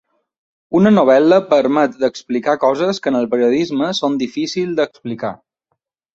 Una novel·la permet d’explicar coses que en el periodisme són difícil d’explicar?